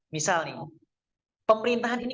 misalnya pemerintahan ini